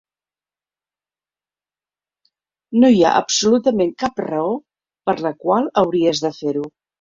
No hi ha absolutament cap raó per la qual hauries de fer-ho.